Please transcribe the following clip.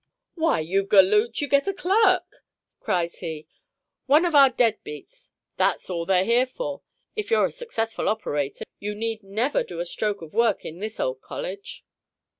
"Why, you galoot, you get a clerk!" cries he. "One of our dead beats that's all they're here for. If you're a successful operator, you need never do a stroke of work in this old college."